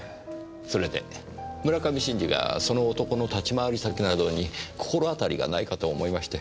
それで村上真治がその男の立ち回り先などに心当たりがないかと思いまして。